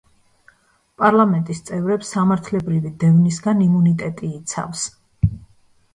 პარლამენტის წევრებს სამართლებრივი დევნისგან იმუნიტეტი იცავს.